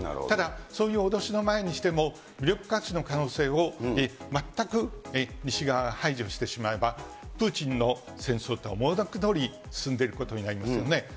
ただ、そういう脅しの前にしても、武力価値の可能性を全く西側が排除してしまえば、プーチンの戦争というのは、思惑どおり進んでいることになりますよね。